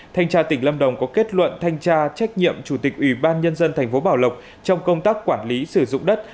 thanh tra tỉnh lâm đồng có kết luận thanh tra trách nhiệm chủ tịch ủy ban nhân dân tp bảo lộc trong công tác quản lý sử dụng đất